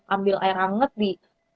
ambil air hangat di